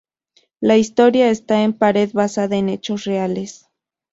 La historia está en parte basada en hechos reales.